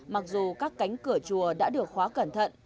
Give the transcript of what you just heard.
mặc dù các cánh cửa chùa đã được khóa cẩn thận